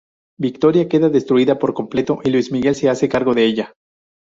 Victoria queda destruida por completo y Luis Miguel se hace cargo de ella.